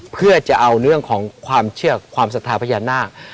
เพื่อจะเอาเรื่องของความเชื่อความศรัทธาพญานาค